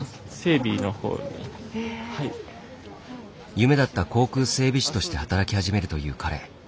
夢だった航空整備士として働き始めるという彼。